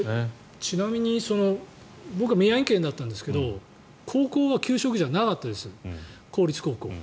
ちなみに僕は宮城県だったんですが高校は給食じゃなかったです公立高校。